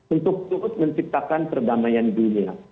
untuk terus menciptakan perdamaian dunia